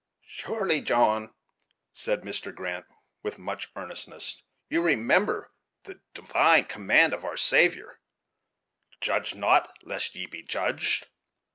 "Surely John," said Mr. Grant, with much earnestness, "you remember the divine command of our Saviour, 'Judge not, lest ye be judged.'